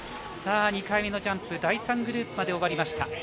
２回目のジャンプ、第３グループまで終わりました。